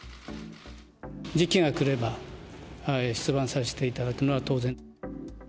時期が来れば、出馬させていただくのは当然。